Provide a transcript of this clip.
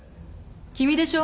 君でしょ？